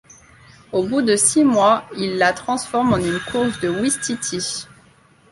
Au bout de six mois, il la transforme en une course de ouistitis.